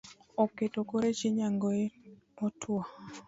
Oketo kore chi nyangonye otuo